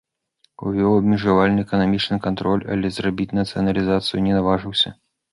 Увёў абмежаваны эканамічны кантроль, але зрабіць нацыяналізацыю не наважыўся.